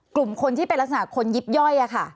กลุ่มคนที่เป็นลักษณะคนยิบย่อย